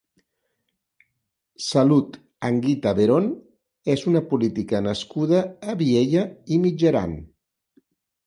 Salud Anguita Verón és una política nascuda a Viella i Mitjaran.